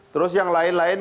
terus yang lain lain